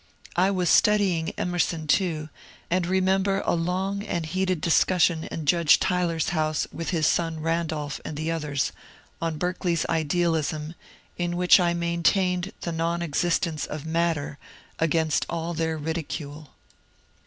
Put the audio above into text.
I was studying Emerson too, and remember a long and heated discussion in Judge Tyler's house with his son Randolph and others, on Berkeley's idealism, in which I maintained the non existence of matter against all their ridi cule.